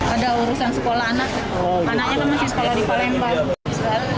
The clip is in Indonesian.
ada urusan sekolah anak anaknya kan masih sekolah di palembang